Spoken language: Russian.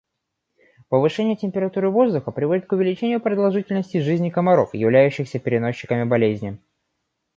Повышение температуры воздуха приводит к увеличению продолжительности жизни комаров, являющихся переносчиками болезни.